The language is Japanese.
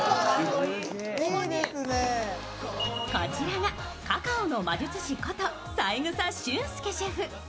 こちらがカカオの魔術師こと三枝シェフ。